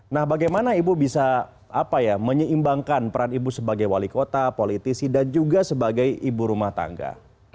nah bagaimana ibu bisa menyeimbangkan peran ibu sebagai wali kota politisi dan juga sebagai ibu rumah tangga